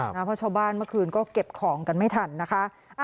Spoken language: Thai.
เพราะชาวบ้านเมื่อคืนก็เก็บของกันไม่ทันนะคะ